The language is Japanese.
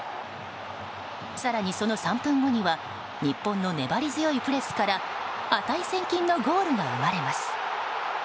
更に、その３分後には日本の粘り強いプレスから値千金のゴールが生まれます。